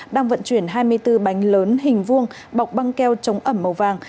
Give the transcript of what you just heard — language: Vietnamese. đang vận chuyển hai mươi bốn bánh lớn hình vuông bọc băng keo chống ẩm màu vàng